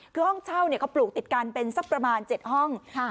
คือห้องเช่าเขาปลูกติดกันเป็นสักประมาณ๗ห้อง